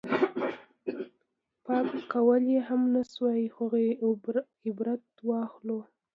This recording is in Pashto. پاک کولی یې هم نه شو خو عبرت واخلو.